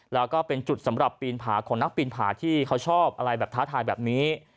แล้วก็เป็นจุดสำหรับปีนผาของนักปีนผาที่เขาชอบอะไรแบบท้าทายแบบนี้